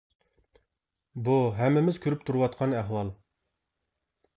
بۇ ھەممىمىز كۆرۈپ تۇرۇۋاتقان ئەھۋال .